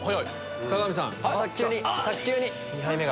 坂上さん。